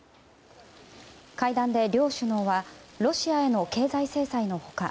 会談で両首脳はロシアへの経済制裁の他